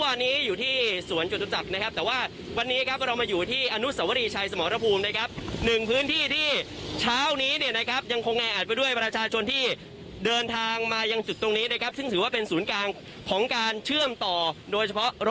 ว่ามีประเทศนอธิตธิ์ใส่หน้ากากมาเข้ามาค่อนข้างเยอะ